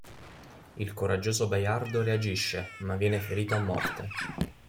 Il coraggioso Baiardo reagisce, ma viene ferito a morte.